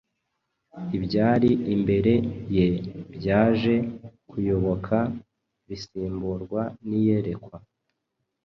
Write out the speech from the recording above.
Ibyari imbere ye byaje kuyoyoka bisimburwa n’iyerekwa.